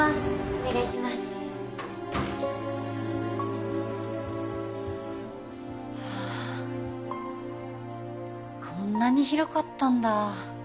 お願いしますはあこんなに広かったんだ